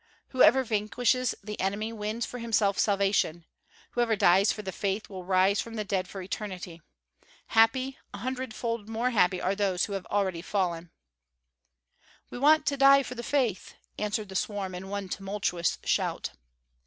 Whoever vanquishes the enemy wins for himself salvation. Whoever dies for the faith will rise from the dead for eternity. Happy, a hundredfold more happy are those who already have fallen. "We want to die for the faith!" answered the swarm in one tumultuous shout.